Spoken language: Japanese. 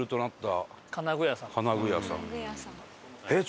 えっ？